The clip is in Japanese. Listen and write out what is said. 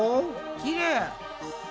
きれい！